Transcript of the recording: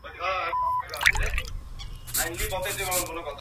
তারপর সূর্য বলবে, হে আমার রব!